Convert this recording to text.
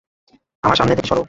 আমার সামনে থেকে সরো!